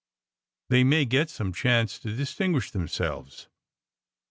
They may get some chance to distinguish themselves.